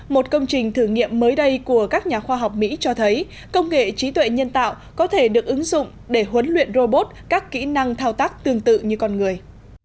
một công trình thử nghiệm mới đây của các nhà khoa học mỹ cho thấy công nghệ trí tuệ nhân tạo có thể được ứng dụng để huấn luyện robot các kỹ năng thao tác tương tự như con người